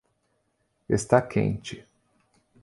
Está quente.